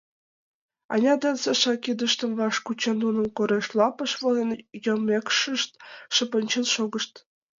Аня ден Саша, кидыштым ваш кучен, нуным, корем лапыш волен йоммешкышт, шып ончен шогышт.